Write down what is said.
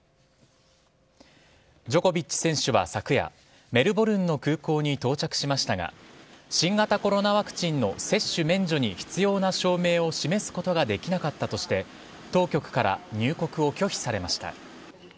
ジョコビッチ選手は昨夜メルボルンの空港に到着しましたが新型コロナワクチンの接種免除に必要な証明を示すことができなかったとして当局から入国を拒否されました。